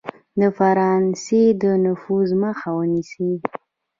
د فرانسې د نفوذ مخه ونیسي.